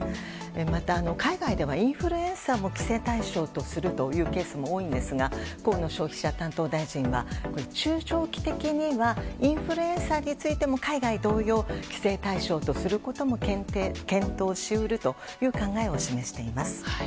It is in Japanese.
また海外ではインフルエンサーも規制対象とするというケースも多いんですが河野消費者担当大臣は中長期的にはインフルエンサーについても海外同様規制対象とすることも検討し得るという考えを示しています。